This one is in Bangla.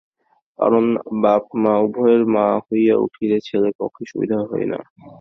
কারণ, বাপ মা উভয়েই মা হইয়া উঠিলে ছেলের পক্ষে সুবিধা হয় না।